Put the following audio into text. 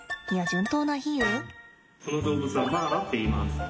この動物はマーラっていいます。